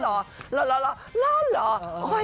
หลอหลอหลอหลอหลอ